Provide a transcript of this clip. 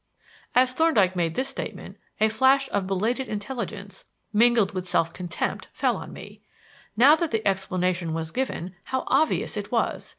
As Thorndyke made this statement a flash of belated intelligence, mingled with self contempt, fell on me. Now that the explanation was given, how obvious it was!